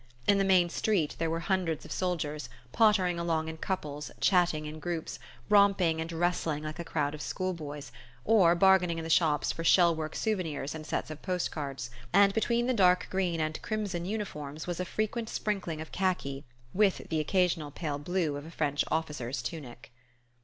In the main street there were hundreds of soldiers, pottering along in couples, chatting in groups, romping and wrestling like a crowd of school boys, or bargaining in the shops for shell work souvenirs and sets of post cards; and between the dark green and crimson uniforms was a frequent sprinkling of khaki, with the occasional pale blue of a French officer's tunic.